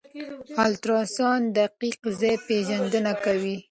الټراساؤنډ د دقیق ځای پېژندنه کوي.